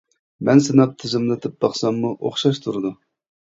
مەن سىناپ تىزىملىتىپ باقساممۇ ئوخشاش تۇرىدۇ.